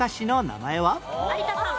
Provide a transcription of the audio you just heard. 有田さん。